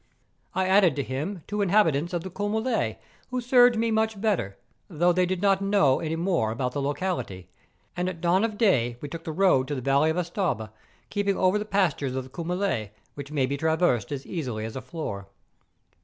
I added to him two inhabitants of the Coumelie, who served me much better, thougli they did not know any more about the locality; and at dawn of day we took the road of the Valley of Estaube, keeping over the pastures of the Coumelie, which may be traversed as easily as a floor.